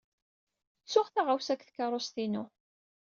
Ttuɣ taɣawsa deg tkeṛṛust-inu.